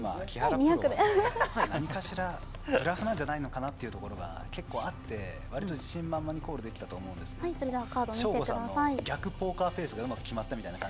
プロ、何かしらブラフなんじゃないかというところがあって割と自信満々にコールできたと思いますが省吾さんの逆ポーカーフェイスが決まったのかなと。